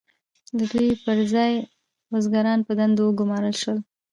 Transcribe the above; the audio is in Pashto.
د دوی پر ځای بزګران په دندو وګمارل شول.